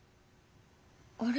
あれ？